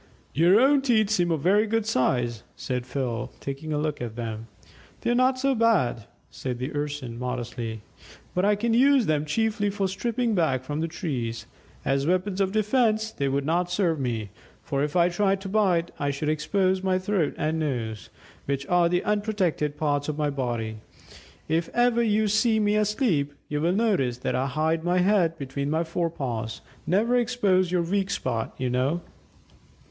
"Your own teeth seem a very good size," said Phil, taking a look at them. "They're not so bad," said the Urson, modestly. "But I use them chiefly for stripping bark from the trees. As weapons of defence they would not serve me, for if I tried to bite I should expose my throat and nose, which are the unprotected parts of my body. If ever you see me asleep, you will notice that I hide my head between my forepaws; never expose your weak spot, you know!"